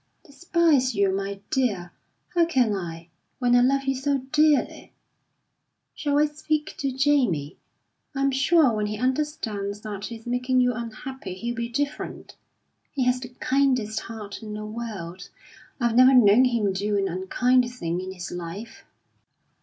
"Despise you, my dear! How can I, when I love you so dearly? Shall I speak to Jamie? I'm sure when he understands that he's making you unhappy, he'll be different. He has the kindest heart in the world; I've never known him do an unkind thing in his life."